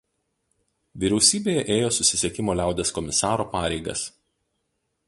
Vyriausybėje ėjo susisiekimo liaudies komisaro pareigas.